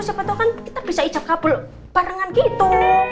siapa tau kan kita bisa icap kabul barengan gitu